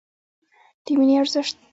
د مینې ارزښت